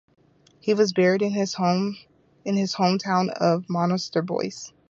He was buried in his home town of Monasterboice.